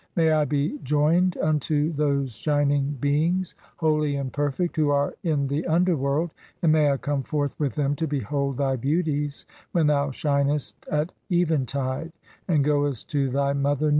"Mav I be joined (28) unto those shining beings, holy and per '■fect, who are in the underworld ; and may I come forth with "them to behold thy beauties when thou shinest (29) at even "tide and goest to thy mother Nu.